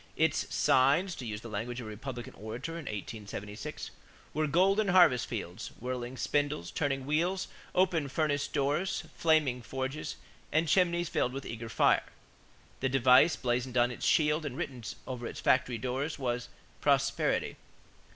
Its signs, to use the language of a Republican orator in 1876, were golden harvest fields, whirling spindles, turning wheels, open furnace doors, flaming forges, and chimneys filled with eager fire. The device blazoned on its shield and written over its factory doors was "prosperity."